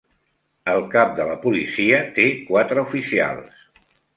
El cap de la policia té quatre oficials.